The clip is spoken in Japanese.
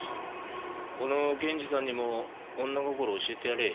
この検事さんにも女心を教えてやれ。